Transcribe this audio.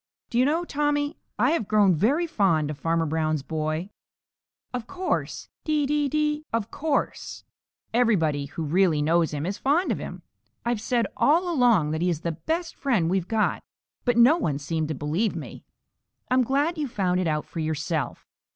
"Do you know, Tommy, I've grown very fond of Farmer Brown's boy." "Of course. Dee, dee, dee, of course. Everybody who really knows him is fond of him. I've said all along that he is the best friend we've got, but no one seemed to believe me. I'm glad you've found it out for yourself.